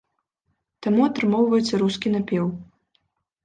Таму атрымоўваецца рускі напеў.